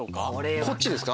こっちですか？